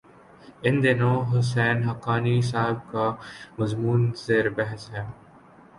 ان دنوں حسین حقانی صاحب کا ایک مضمون زیر بحث ہے۔